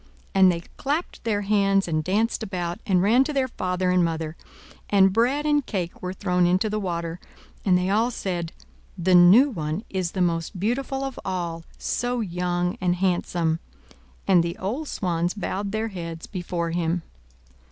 And they clapped their hands and danced about, and ran to their father and mother; and bread and cake were thrown into the water; and they all said, "The new one is the most beautiful of all so young and handsome!" and the old swans bowed their heads before him.